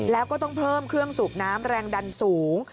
แล้วก็ต้องเพิ่มเครื่องสูบน้ำแรงดันสูง